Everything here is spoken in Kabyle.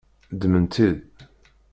Ddmen-t-id.